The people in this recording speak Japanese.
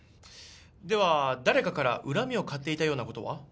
では誰かから恨みを買っていたような事は？